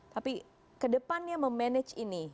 tapi kedepannya memanage ini